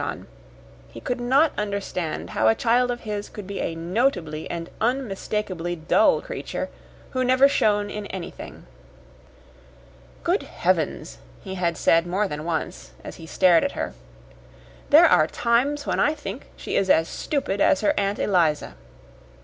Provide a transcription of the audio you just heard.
John. He could not understand how a child of his could be a notably and unmistakably dull creature who never shone in anything. "Good heavens!" he had said more than once, as he stared at her, "there are times when I think she is as stupid as her Aunt Eliza!"